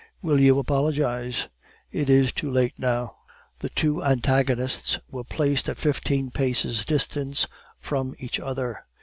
"Will you apologize?" "It is too late now." The two antagonists were placed at fifteen paces' distance from each other.